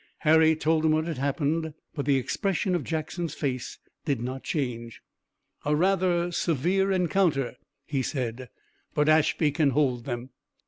Harry told him what had happened, but the expression of Jackson's face did not change. "A rather severe encounter," he said, "but Ashby can hold them."